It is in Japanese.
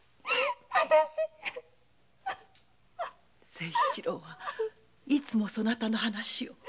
清一郎はいつもそなたの話を。